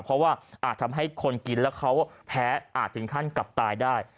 เพราะว่าอาจทำให้คนกินแล้วเขาแพ้อาจถึงขั้นกลับตายได้